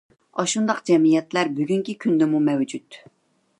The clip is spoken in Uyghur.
ئاشۇنداق جەمئىيەتلەر بۈگۈنكى كۈندىمۇ مەۋجۇت.